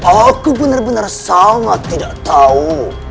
aku benar benar sangat tidak tahu